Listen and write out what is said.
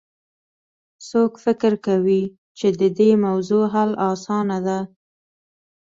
څوک فکر کوي چې د دې موضوع حل اسانه ده